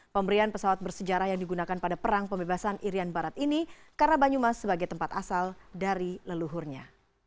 pemberian pesawat bersejarah yang digunakan pada perang pembebasan irian barat ini karena banyumas sebagai tempat asal dari leluhurnya